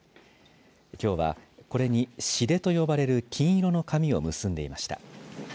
きょうはこれに紙垂と呼ばれる金色の紙を結んでいました。